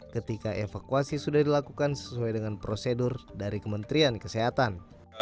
ketika evakuasi sudah dilakukan sesuai dengan prosedur dari kementerian kesehatan